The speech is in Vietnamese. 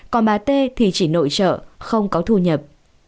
còn bà t thì chỉ nội trợ không có thu nhập